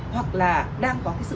hoặc là đang có cái sự lôi kẹo